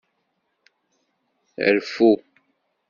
Rfu.